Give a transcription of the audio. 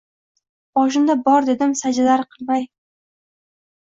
Boshimda bor dedim sajdalar qilmay